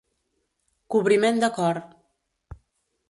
Cobriment de cor.